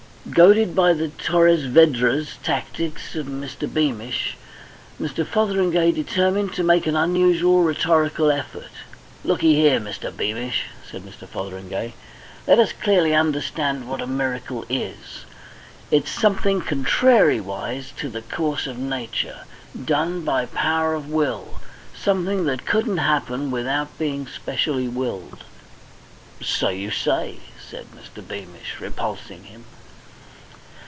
Goaded by the Torres Vedras tactics of Mr. Beamish, Mr. Fotheringay determined to make an unusual rhetorical effort. "Looky here, Mr. Beamish," said Mr. Fotheringay. "Let us clearly understand what a miracle is. It's something contrariwise to the course of nature, done by power of will, something what couldn't happen without being specially willed." "So you say," said Mr. Beamish, repulsing him.